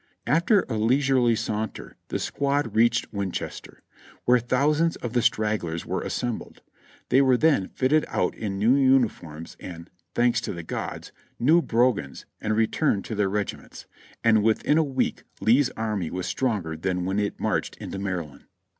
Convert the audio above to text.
After a leisurely saunter the squad reached Winchester, where thousands of the stragglers were assembled; they were then fitted out in new uniforms and (thanks to the gods!) new brogans, and returned to their regiments; and within a week Lee's army was stronger than when it marched into Maryland.